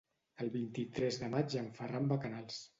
El vint-i-tres de maig en Ferran va a Canals.